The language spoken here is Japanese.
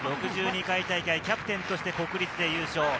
６２回大会キャプテンとして国立で優勝。